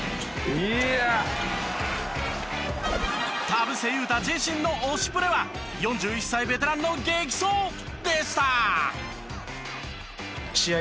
田臥勇太自身の推しプレは４１歳ベテランの激走でした。